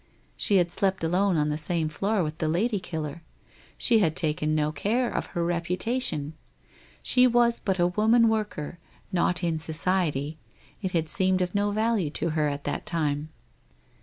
She had slept alone on the same floor with the lady killer. She had taken no care of her reputation. She was but a woman worker, not in society, it had seemed of no value to her at that time.